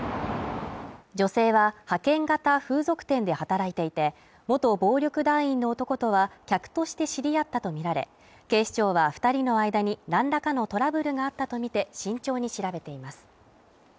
女性は派遣型風俗店で働いていて元暴力団員の男とは客として知り合ったとみられ、警視庁は２人の間に何らかのトラブルがあったとみて慎重に調べています。